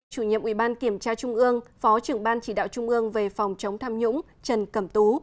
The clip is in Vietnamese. chủ nhiệm ủy ban kiểm tra trung ương phó trưởng ban chỉ đạo trung ương về phòng chống tham nhũng trần cẩm tú